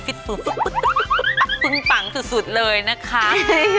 คุณปังสุดเลยนะคะ